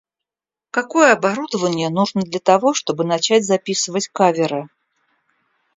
Какое оборудование нужно для того, чтобы начать записывать каверы?